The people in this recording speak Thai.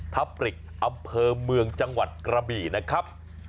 ทับปริกอำเภอเมืองจังหวัดกระบี่นะครับ